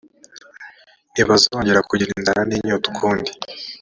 ntibazongera kugira inzara n inyota ukundi